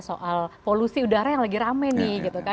soal polusi udara yang lagi rame nih